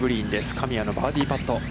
神谷のバーディーパット。